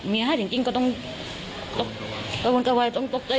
เมียให้จริงก็ต้องตกใจ